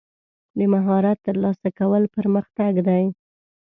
د مهارت ترلاسه کول پرمختګ دی.